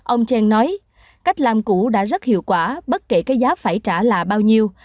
ông trang nói cách làm cũ đã rất hiệu quả bất kể cái giá phải trả là bao nhiêu